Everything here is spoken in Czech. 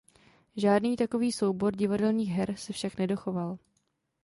Žádný takový soubor divadelních her se však nedochoval.